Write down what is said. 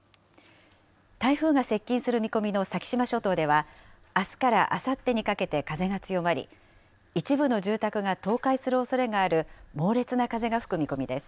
台風が接近する見込みの先島諸島では、あすからあさってにかけて風が強まり、一部の住宅が倒壊するおそれがある猛烈な風が吹く見込みです。